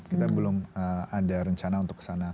kita belum ada rencana untuk ke sana